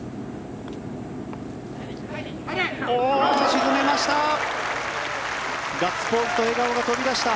沈めました！